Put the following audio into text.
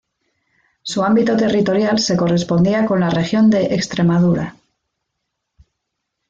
Su ámbito territorial se correspondía con la región de Extremadura.